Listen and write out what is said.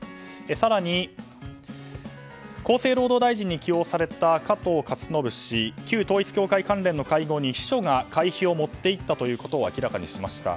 更に、厚生労働大臣に起用された加藤勝信氏旧統一教会関連の会合に秘書が会費を持って行ったということを明らかにしました。